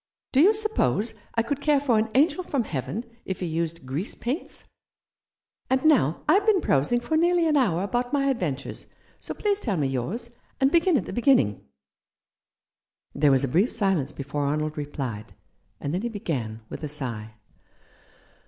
" Do you suppose I could care for an angel from heaven if he used grease paints ? And now I've been prosing for nearly an hour about my adven tures, so please tell me yours, and begin at the beginning." 12 " How should I greet Thee f " There was a brief silence before Arnold replied, and then he began, with a sigh.